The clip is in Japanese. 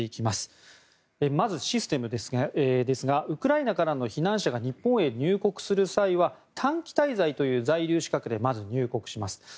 まずシステムですがウクライナからの避難者が日本へ入国する際は短期滞在という在留資格でまず入国します。